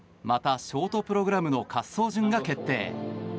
また、ショートプログラムの滑走順が決定。